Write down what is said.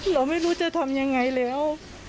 เราไม่รู้จะทำยังไงแล้ว